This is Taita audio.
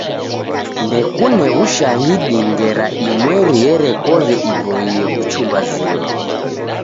Ndekune w'ushahidi ngera imweri erekoghe iboie kuchumba zima.